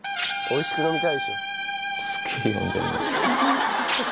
おいしく飲みたいでしょ。